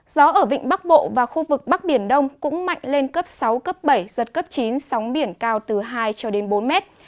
gió ở vịnh bắc bộ và khu vực bắc biển đông cũng mạnh lên cấp sáu cấp bảy giật cấp chín sóng biển cao từ hai cho đến bốn mét